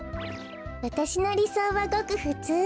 わたしのりそうはごくふつう。